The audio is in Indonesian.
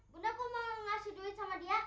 bunda kok mau ngasih duit sama dia